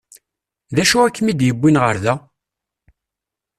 D acu i kem-id-yewwin ɣer da?